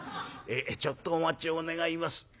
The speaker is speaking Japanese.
ちょっとお待ちを願います。